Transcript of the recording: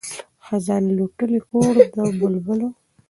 خزان لوټلی کور د بلبلو